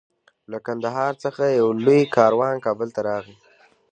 له قندهار څخه یو لوی کاروان کابل ته راغی.